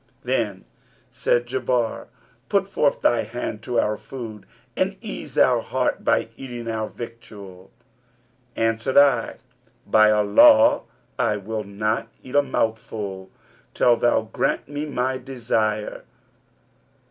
'[FN#337] Then said Jubayr, 'Put forth thy hand to our food and ease our heart by eating of our victual.' Answered I, 'By Allah, I will not eat a mouthful, till thou grant me my desire.'